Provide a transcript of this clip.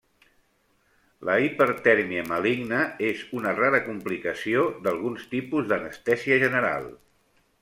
La hipertèrmia maligna és una rara complicació d'alguns tipus d'anestèsia general.